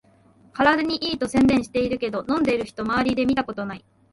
体にいいと宣伝してるけど、飲んでる人まわりで見たことない